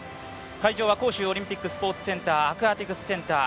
会場は杭州オリンピックスポーツセンター、アクアティックセンター